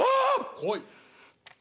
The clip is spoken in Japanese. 怖い！